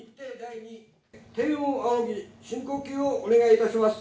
天を仰ぎ、深呼吸をお願いいたします。